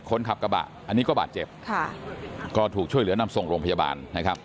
คนขับกระบะอันนี้ก็บาดเจ็บค่ะก็ถูกช่วยเหลือนำส่งโรงพยาบาลนะครับ